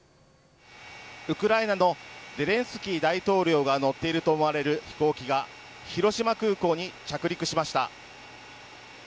ウクライナのゼレンスキー大統領が乗っていると思われる飛行機が広島空港に着陸しました。